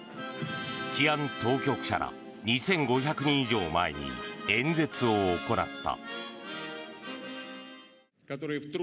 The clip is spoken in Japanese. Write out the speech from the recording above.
治安当局者ら２５００人以上を前に演説を行った。